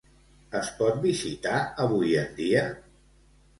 Es pot visitar avui en dia?